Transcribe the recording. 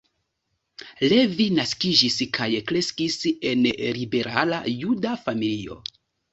Levi naskiĝis kaj kreskis en liberala juda familio.